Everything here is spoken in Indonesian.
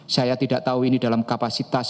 saya tidak tahu ini dalam kapasitas